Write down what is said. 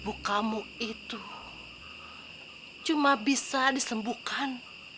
ibu kamu itu cuma bisa disembuhkan